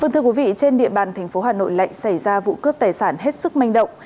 thưa quý vị trên địa bàn tp hà nội lệnh xảy ra vụ cướp tài sản hết sức manh động